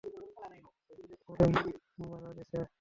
Pauline মারা গেছে।